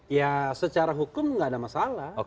ya secara hukum tidak ada masalah